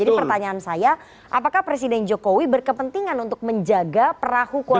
jadi pertanyaan saya apakah presiden jokowi berkepentingan untuk menjaga perahu koalisi